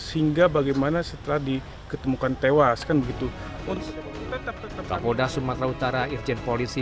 sehingga bagaimana setelah diketemukan tewas kan begitu untuk tetap polda sumatera utara irjen polisi